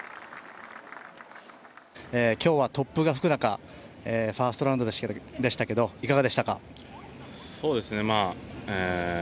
今日は突風が吹く中、ファーストラウンドでしたがいかがでしたか。